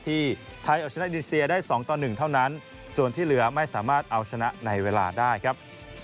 ที่ไทยเอาชนะอินโดนีเซียได้๒ต่อ๑เท่านั้นส่วนที่เหลือไม่สามารถเอาชนะในเวลาได้ครับ